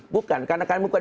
bukan karena kami bukan